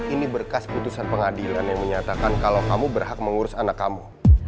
ini berkas putusan pengadilan yang menyatakan kalau kamu berhak mengurus anak kamu